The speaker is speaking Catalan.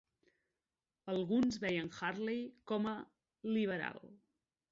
Alguns veien Hurley com a 'liberal'.